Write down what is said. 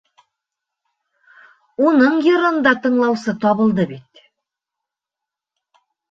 Уның йырын да тыңлаусы табылды бит.